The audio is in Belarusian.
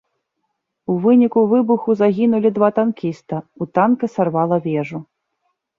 У выніку выбуху загінулі два танкіста, у танка сарвала вежу.